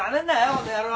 この野郎！